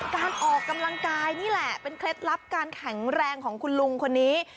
การออกกำลังกายนี่แหละเป็นเคล็ดลับการแข็งแรงของคุณลุงคนนี้